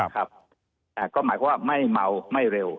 ครับคือก็หมายความว่าไม่เม้าไม่เร็ว